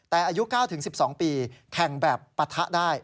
แต่อายุ๙๑๒ปีแข่งแบบปะทะได้